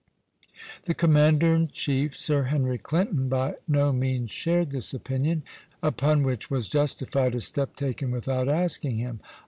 The commander in chief, Sir Henry Clinton, by no means shared this opinion, upon which was justified a step taken without asking him.